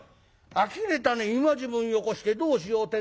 あきれたね今時分よこしてどうしようてんだ。